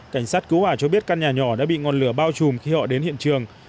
cảnh sát cứu hỏa cho biết căn nhà nhỏ đã bị ngọn lửa bao trùm khi họ đến hiện trường